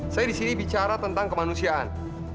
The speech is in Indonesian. saya di sini bicara tentang kemanusiaan